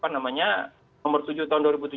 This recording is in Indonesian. nomor tujuh tahun dua ribu tujuh belas